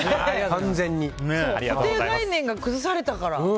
固定概念が崩されたから。